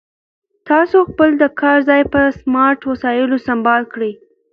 تاسو خپل د کار ځای په سمارټ وسایلو سمبال کړئ.